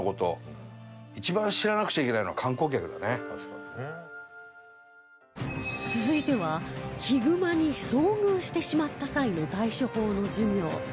皆さん続いてはヒグマに遭遇してしまった際の対処法の授業